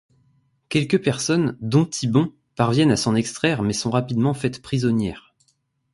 Quelques personnes, dont Thibon, parviennent à s'en extraire mais sont rapidement faites prisonnières.